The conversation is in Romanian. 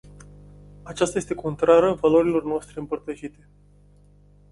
Aceasta este contrară valorilor noastre împărtășite.